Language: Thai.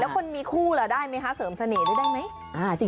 แล้วคนมีคู่ล่ะได้ไหมคะเสริมเสน่ห์ได้ไหม